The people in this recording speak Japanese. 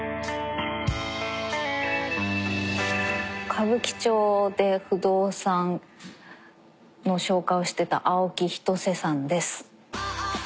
歌舞伎町で不動産の紹介をしてた青木人生さんです。